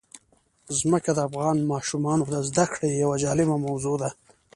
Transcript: ځمکه د افغان ماشومانو د زده کړې یوه جالبه موضوع ده.